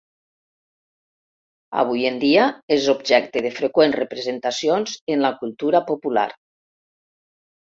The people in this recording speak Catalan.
Avui en dia, és objecte de freqüents representacions en la cultura popular.